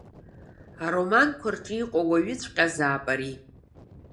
Ароманқәа рҿы иҟоу уаҩыҵәҟьазаап ари!